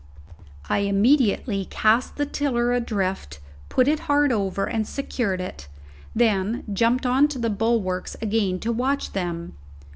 I immediately cast the tiller adrift, put it hard over, and secured it, then jumped on to the bulwarks again to watch them.